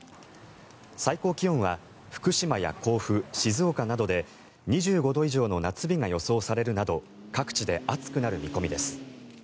最高気温は福島や甲府、静岡などで２５度以上の夏日が予想されるなど各地で暑くなる見込みです。